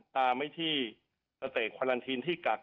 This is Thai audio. ตามไอ้ที่ประเทศควารานทีนที่กัก